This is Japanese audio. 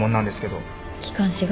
気管支が？